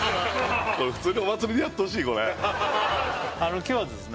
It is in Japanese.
これ普通にお祭りでやってほしいこれあの今日はですね